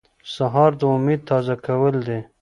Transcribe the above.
سهار د امید تازه کول دي.